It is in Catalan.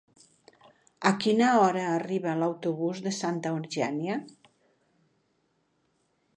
A quina hora arriba l'autobús de Santa Eugènia?